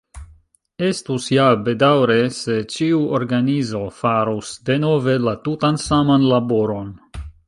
Estus ja bedaŭre, se ĉiu organizo farus denove la tutan saman laboron.